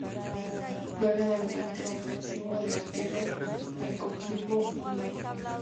Juega de volante ofensivo o delantero en Coquimbo Unido.